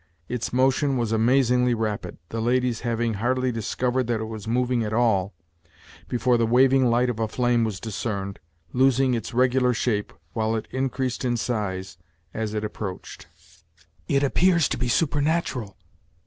Its motion was amazingly rapid, the ladies having hardly discovered that it was moving at all, before the waving light of a flame was discerned, losing its regular shape, while it increased in size, as it approached. "It appears to be supernatural!"